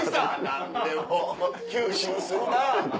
何でも吸収するな。